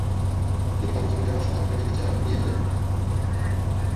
তিনি তাঁবু থেকে বের হওয়ার সময় আমাকে দেখে চেহারা ফিরিয়ে নিলেন।